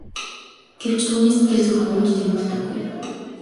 Гэвч түүний сэтгэл зүрх үүнд тэмүүлдэггүй.